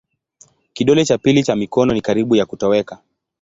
Kidole cha pili cha mikono ni karibu ya kutoweka.